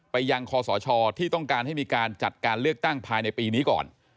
ยังคอสชที่ต้องการให้มีการจัดการเลือกตั้งภายในปีนี้ก่อน